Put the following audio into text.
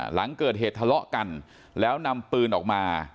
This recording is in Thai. หลังเกิดเหตุทะเลาะกันแล้วนำปืนออกมา